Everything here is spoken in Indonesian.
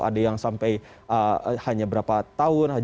ada yang sampai hanya berapa tahun